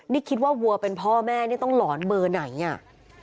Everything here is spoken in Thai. นี่คิดว่าวัวเป็นพ่อแม่นี่ต้องหลอนเบอร์ไหนอ่ะ